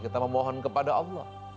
kita memohon kepada allah